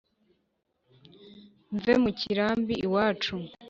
mve mu kirambi iwacu